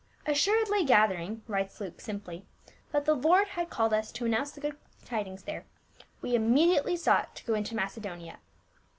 "Assuredly gathering," writes Luke simply, "that the Lord had called us to announce the glad tidings there, we immediately sought to go into Macedonia."